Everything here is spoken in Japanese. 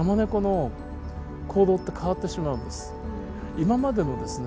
今までのですね